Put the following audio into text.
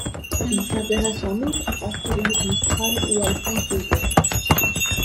Il s'intéresse en outre à Frédéric Mistral ou Alphonse Daudet.